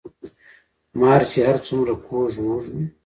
ـ مار چې هر څومره کوږ وږ وي